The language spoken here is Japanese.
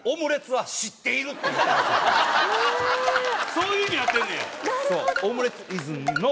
そういう意味になってんねや。